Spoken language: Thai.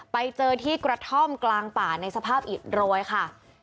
ไปเจอที่กระท่อมกลางป่าในสภาพอิดโรยค่ะ